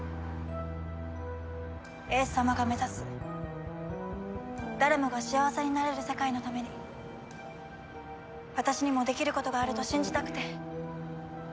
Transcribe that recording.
英寿様が目指す誰もが幸せになれる世界のために私にもできることがあると信じたくて。